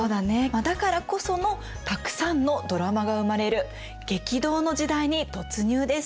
だからこそのたくさんのドラマが生まれる激動の時代に突入です。